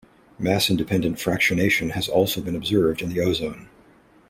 Mass-independent fractionation also has been observed in ozone.